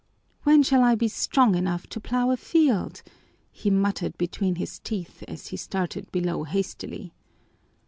"When shall I be strong enough to plow a field?" he muttered between his teeth as he started below hastily.